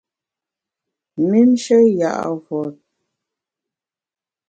Mümnshe ya’ vot.